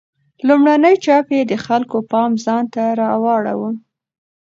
لومړنی چاپ یې د خلکو پام ځانته راواړاوه.